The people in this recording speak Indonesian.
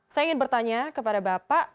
saya ingin bertanya kepada bapak